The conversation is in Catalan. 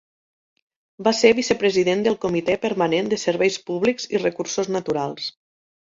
Va ser vicepresident del comitè permanent de serveis públics i recursos naturals.